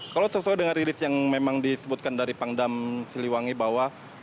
kalau sesuai dengan rilis yang memang disebutkan dari pangdam siliwangi bahwa